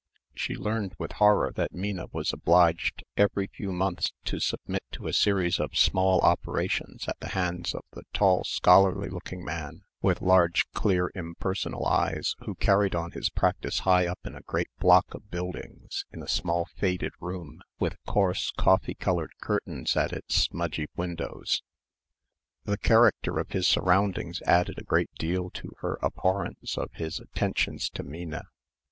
She learned with horror that Minna was obliged every few months to submit to a series of small operations at the hands of the tall, scholarly looking man, with large, clear, impersonal eyes, who carried on his practice high up in a great block of buildings in a small faded room with coarse coffee coloured curtains at its smudgy windows. The character of his surroundings added a great deal to her abhorrence of his attentions to Minna.